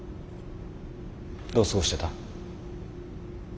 どう過ごしてた？